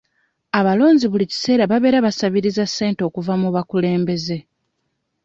Abalonzi buli kaseera babeera basabiriza ssente okuva mu bakulembeze.